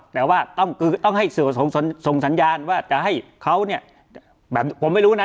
แต่ว่าต้องคือต้องให้สื่อส่งสัญญาณว่าจะให้เขาเนี่ยแบบผมไม่รู้นะ